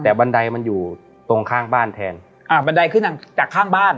แต่บันไดมันอยู่ตรงข้างบ้านแทนอ่าบันไดขึ้นจากข้างบ้าน